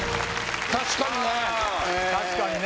確かにね